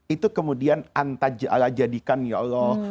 itu kemudian antajadikan ya allah